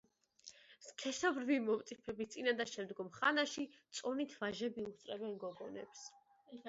სქესობრივი მომწიფების წინა და შემდგომ ხანაში წონით ვაჟები უსწრებენ გოგონებს.